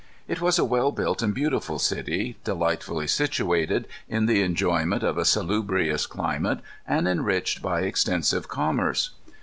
It was a well built and beautiful city, delightfully situated, in the enjoyment of a salubrious climate, and enriched by extensive commerce.